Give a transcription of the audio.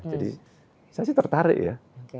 jadi saya sih tertarik ya